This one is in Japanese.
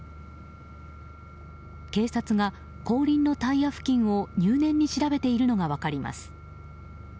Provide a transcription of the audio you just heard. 警察が後輪のタイヤ付近を入念に調べているのが分かります。